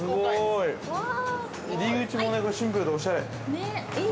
入口もシンプルでおしゃれ。